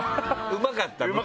うまかった。